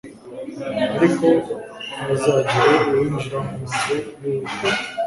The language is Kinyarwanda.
ariko ntihazagire uwinjira mu nzu y uwiteka